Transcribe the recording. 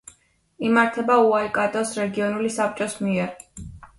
იმართება უაიკატოს რეგიონული საბჭოს მიერ.